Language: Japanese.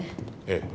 ええ。